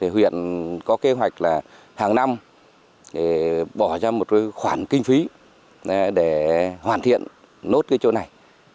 huyện có kế hoạch là hàng năm bỏ ra một khoản kinh phí để hoàn thiện nốt chỗ này